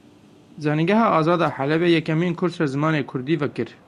Zanîngeha Azad a Helebê yekemîn kursa Zimanê Kurdî vekir.